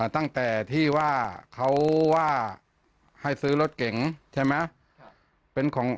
ตั้งแต่ที่ว่าเขาว่าให้ซื้อรถเก๋งใช่ไหม